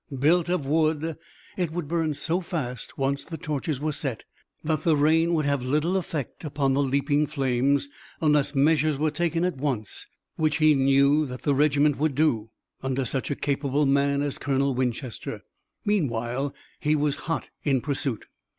Built of wood, it would burn so fast, once the torches were set, that the rain would have little effect upon the leaping flames, unless measures were taken at once, which he knew that the regiment would do, under such a capable man as Colonel Winchester. Meanwhile he was hot in pursuit.